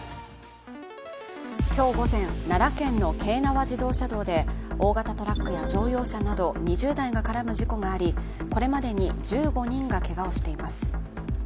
今日午前、奈良県の京奈和自動車道で大型トラックや乗用車など２０台が絡む事故がありこれまでに１５人がけがをしています。